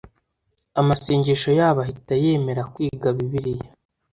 amasengesho yabo ahita yemera kwiga bibiliya .